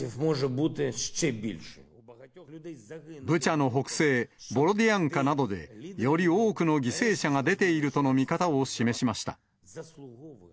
ブチャの北西ボロディアンカなどでより多くの犠牲者が出ているとの見方を示しました。